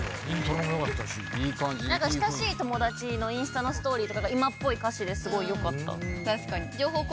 親しい友達のインスタのストーリーとかが今っぽい歌詞ですごい良かった。